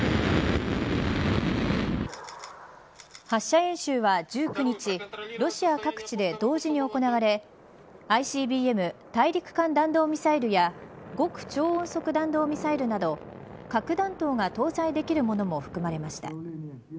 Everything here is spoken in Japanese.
発射演習は１９日ロシア各地で同時に行われＩＣＢＭ大陸間弾道ミサイルや極超音速弾道ミサイルなど核弾頭が搭載できるものも含まれました。